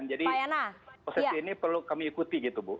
jadi proses ini perlu kami ikuti gitu bu